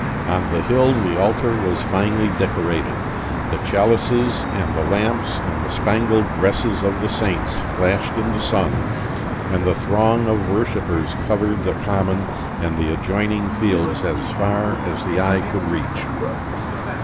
On the hill the altar was finely decorated; the chalices and the lamps and the spangled dresses of the saints flashed in the sun, and the throng of worshipers covered the common and the adjoining fields as far as the eye could reach.